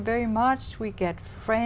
để giới thiệu về